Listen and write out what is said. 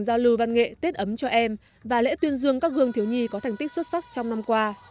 giao lưu văn nghệ tết ấm cho em và lễ tuyên dương các gương thiếu nhi có thành tích xuất sắc trong năm qua